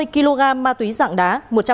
bốn mươi kg ma túy dạng đá